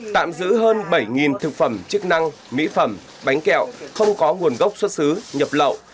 tạm giữ hơn bảy thực phẩm chức năng mỹ phẩm bánh kẹo không có nguồn gốc xuất xứ nhập lậu